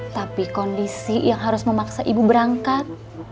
tapi kondisi yang harus memaksa ibu berangkat